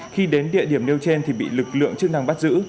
khi đến địa điểm nêu trên thì bị lực lượng chức năng bắt giữ